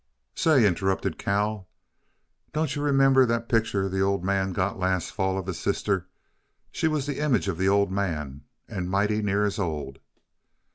"Say," interrupted Cal, "don't yuh remember that picture the Old Man got last fall, of his sister? She was the image of the Old Man and mighty near as old."